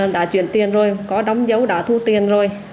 đã chuyển tiền rồi có đóng dấu đã thu tiền rồi